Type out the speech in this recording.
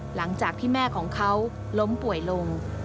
หลังจากที่แม่ของเขาล้มป่วยลง